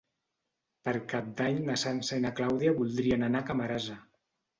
Per Cap d'Any na Sança i na Clàudia voldrien anar a Camarasa.